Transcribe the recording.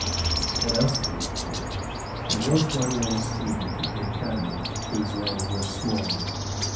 What else can we call it? There was one young student at the academy whose name was Smalley.